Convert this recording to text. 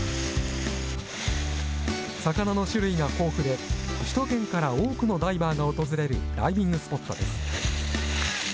魚の種類が豊富で、首都圏から多くのダイバーが訪れるダイビングスポットです。